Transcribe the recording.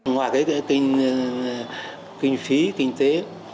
ngoài cái kinh phí kinh tế